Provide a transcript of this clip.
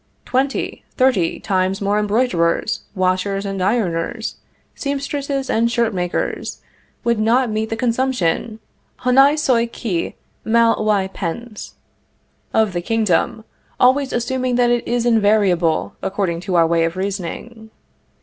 Twenty, thirty times more embroiderers, washers and ironers, seamstresses and shirt makers, would not meet the consumption (honi soit qui mal y pense) of the kingdom; always assuming that it is invariable, according to our way of reasoning.